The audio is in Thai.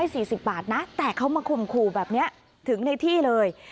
สี่สิบบาทนะแต่เขามาข่มขู่แบบนี้ถึงในที่เลย